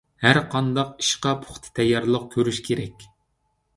ھەرقانداق ئىشقا پۇختا تەييارلىق كۆرۈش كېرەك.